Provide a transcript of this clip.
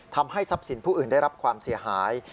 ทำให้ทรัพย์สินผู้อื่นได้รับความเสียหาย